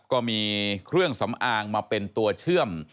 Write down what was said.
ก็มีเครื่องสำอางมาเป็นตัวเชื่อม